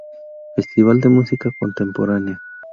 Festival de música contemporánea.